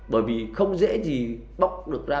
bởi vì không dễ gì bóc được ra